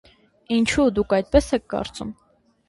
- Ինչո՞ւ դուք այդպես եք կարծում: